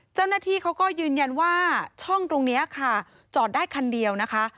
เจ้าหน้าที่เขาก็ยืนยันว่าช่องตรงนี้ค่ะจอดได้คันเดียวนะคะ